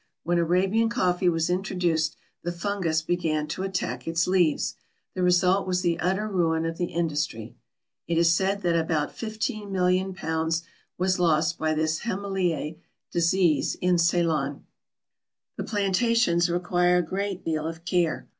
When Arabian coffee was introduced, the fungus began to attack its leaves. The result was the utter ruin of the industry. It is said that about £15,000,000 was lost by this Hemileia disease in Ceylon. The plantations require a great deal of care.